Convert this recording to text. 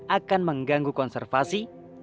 akan mengganggu konservasi